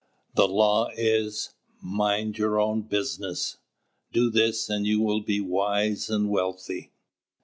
"The Law is: 'Mind your own business.' "Do this and you will be wise and wealthy."